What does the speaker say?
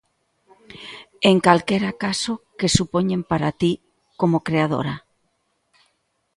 En calquera caso, que supoñen para ti, como creadora?